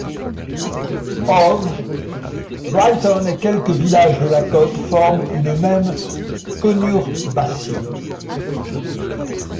Hove, Brighton et quelques villages de la côte forment une même conurbation.